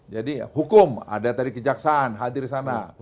jadi hukum ada tadi kejaksaan hadir sana